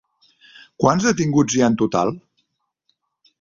Quants detinguts hi ha en total?